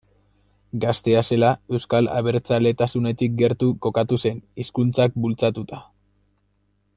Gaztea zela euskal abertzaletasunetik gertu kokatu zen, hizkuntzak bultzatuta.